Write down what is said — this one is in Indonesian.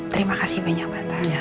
terima kasih banyak mbak